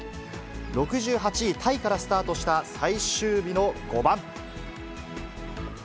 ６８位タイからスタートした最終日の５番。